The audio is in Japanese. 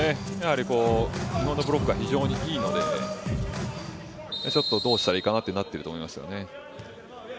日本のブロックが非常にいいのでちょっとどうしたらいいかなとなっていると思いますね。